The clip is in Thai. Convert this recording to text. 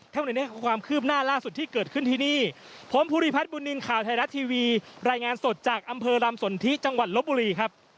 เท่าไหร่เท่าวันใดความคืบหน้าล่าสุดที่เกิดขึ้นทีนี้